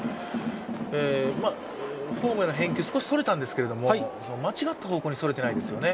ホームの返球は少しそれたんですけど間違った方向にそれていないですよね。